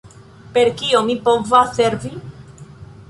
Per kio mi povas servi?